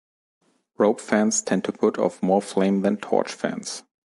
Rope fans tend to put off more flame than torch fans.